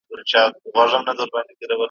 چي مساپر دي له ارغوان کړم `